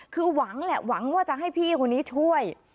คือหวังแหละหวังว่าจะให้พี่คนนี้ช่วย